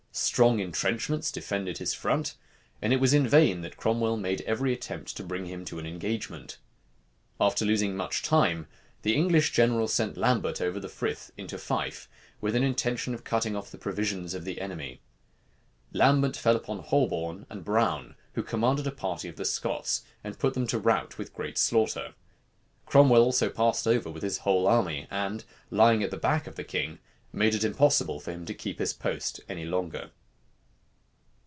Strong intrenchments defended his front; and it was in vain that Cromwell made every attempt to bring him to an engagement. After losing much time, the English general sent Lambert over the Frith into Fife, with an intention of cutting off the provisions of the enemy. Lambert fell upon Holborne and Brown, who commanded a party of the Scots, and put them to rout with great slaughter. Cromwell also passed over with his whole army; and lying at the back of the king, made it impossible for him to keep his post any longer.